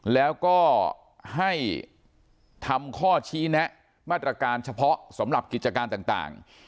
แล้วก็ให้ทำข้อชี้แนะมาตรการเฉพาะสำหรับกิจการต่าง